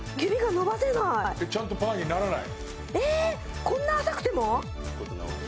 ちゃんとパーにならない？